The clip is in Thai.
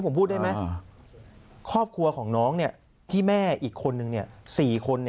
ผมพูดได้ไหมครอบครัวของน้องที่แม่อีกคนนึง๔คน